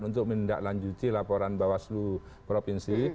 untuk menindaklanjuti laporan bawaslu provinsi